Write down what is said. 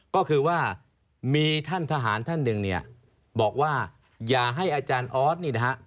ก็คือว่ามีท่านทหารท่านหนึ่งเนี่ยบอกว่าอย่าให้อาจารย์ออสนี่นะฮะ